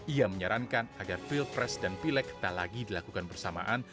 ia menyarankan agar pilpres dan pilek tak lagi dilakukan bersamaan